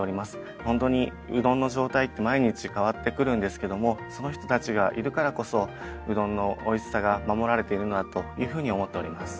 ホントにうどんの状態って毎日変わってくるんですけどもその人たちがいるからこそうどんのおいしさが守られているのだというふうに思っております。